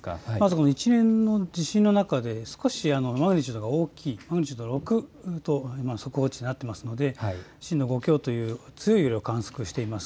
一連の地震の中で少しマグニチュードが大きい６となっておりますので、震度５強という強い揺れを観測しています。